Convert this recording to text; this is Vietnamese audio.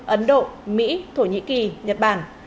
ấn độ mỹ thổ nhĩ kỳ nhật bản